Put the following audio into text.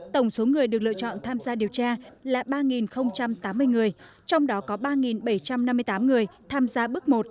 tổng số người được lựa chọn tham gia điều tra là ba tám mươi người trong đó có ba bảy trăm năm mươi tám người tham gia bước một